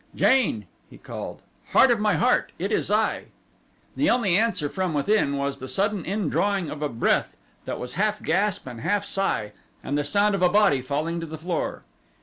"Jane," he called, "heart of my heart, it is I." The only answer from within was as the sudden indrawing of a breath that was half gasp and half sigh, and the sound of a body falling to the floor.